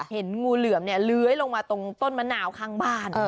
เห็นงูเหลือมเนี่ยเลื้อยลงมาตรงต้นมะนาวข้างบ้าน